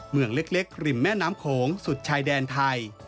เมืองเล็กริมแม่น้ำโขงสุดชายแดนไทย